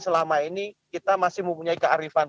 selama ini kita masih mempunyai kearifan